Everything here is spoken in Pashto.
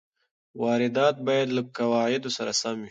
واردات باید له قواعدو سره سم وي.